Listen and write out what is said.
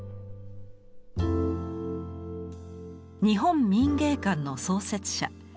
日本民藝館の創設者